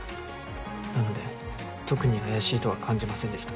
なので特に怪しいとは感じませんでした。